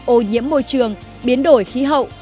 ô nhiễm môi trường biến đổi khí hậu